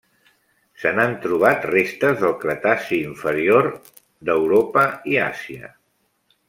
Se n'han trobat restes del Cretaci inferior d'Europa i Àsia.